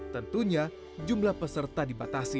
tentunya jumlah peserta dibatasi